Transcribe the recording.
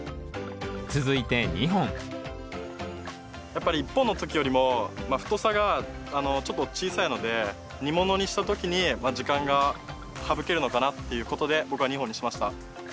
続いて２本やっぱり１本の時よりも太さがちょっと小さいので煮物にした時に時間が省けるのかなっていうことで僕は２本にしました。